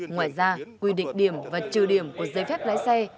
ngoài ra quy định điểm và trừ điểm của giấy phép lái xe